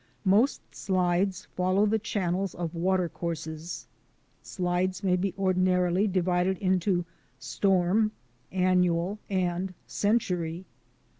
Most slides follow the channels of water courses. Slides may be ordinarily divided into storm, an nual, and century.